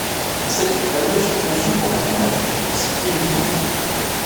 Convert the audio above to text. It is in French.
Cette mitrailleuse fut conçue pour être en affut fixe uniquement.